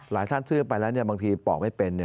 ท่านซื้อไปแล้วบางทีปอกไม่เป็น